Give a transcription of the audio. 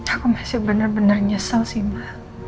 aku masih bener bener nyesel sih ma